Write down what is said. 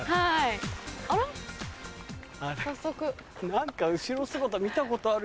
何か後ろ姿見たことある。